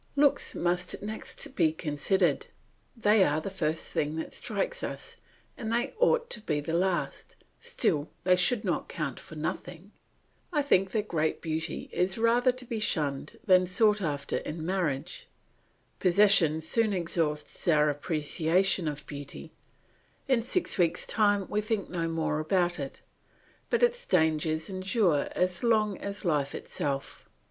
Looks must next be considered; they are the first thing that strikes us and they ought to be the last, still they should not count for nothing. I think that great beauty is rather to be shunned than sought after in marriage. Possession soon exhausts our appreciation of beauty; in six weeks' time we think no more about it, but its dangers endure as long as life itself.